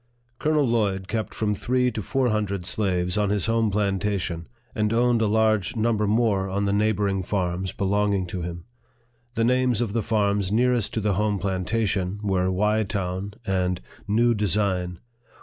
Colonel Lloyd kept from three to four hundred slaves on his home plantation, and owned a large number more on the neighboring farms belonging to him. The names of the farms nearest to the home plantation were Wye Town and New Design.